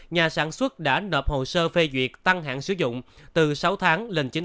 nhà sản xuất đã nộp hồ sơ phê duyệt tăng hạn sử dụng từ sáu tháng lên chín mươi